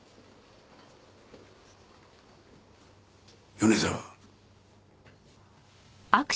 米沢。